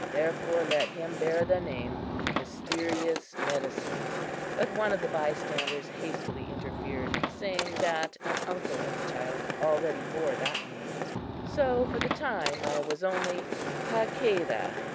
Therefore let him bear the name 'Mysterious Medicine.'" But one of the bystanders hastily interfered, saying that an uncle of the child already bore that name, so, for the time, I was only "Hakadah."